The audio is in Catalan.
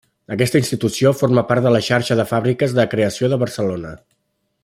Aquesta institució forma part de la xarxa de Fàbriques de Creació de Barcelona.